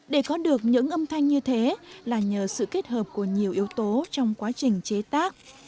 để có được những âm thanh như thế là nhờ sự kết hợp của nhiều yếu tố trong quá trình chế tác